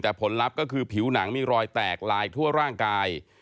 แต่ผลลัพธ์ก็คือผิวหนังมีรอยแตกลายทั่วร่างกาย